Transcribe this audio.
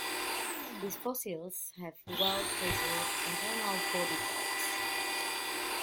These fossils have well preserved internal body parts.